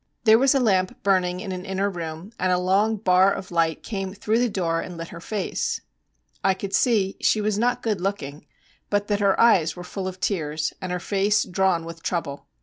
There was a lamp burning in an inner room, and a long bar of light came through the door and lit her face. I could see she was not good looking, but that her eyes were full of tears, and her face drawn with trouble.